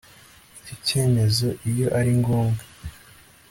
icyo cyemezo iyo ari ngombwa